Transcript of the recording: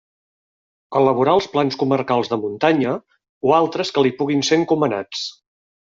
Elaborar els plans comarcals de muntanya o altres que li puguin ser encomanats.